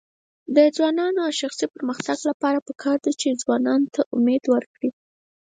د ځوانانو د شخصي پرمختګ لپاره پکار ده چې ځوانانو ته امید ورکړي.